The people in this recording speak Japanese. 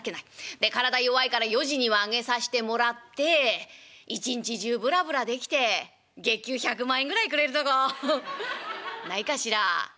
で体弱いから４時には上げさせてもらって一日中ぶらぶらできて月給１００万円ぐらいくれるとこないかしら？」。